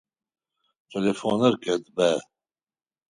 Телефоныр къетба!